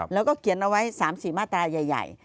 แล้วก็เขียนเอาไว้๓๔มาตราใหญ่